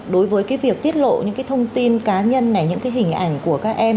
đối với cái việc tiết lộ những cái thông tin cá nhân này những cái hình ảnh của các em